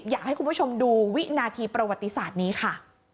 อยากให้คุณผู้ชมดูวินาทีประวัติศาสตร์นี้ค่ะ